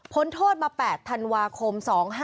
โทษมา๘ธันวาคม๒๕๕๙